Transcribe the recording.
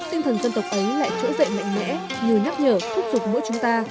tinh thần dân tộc ấy lại trỗi dậy mạnh mẽ như nhắc nhở thúc giục mỗi chúng ta